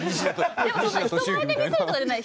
でもそんな人前で見せるとかじゃない。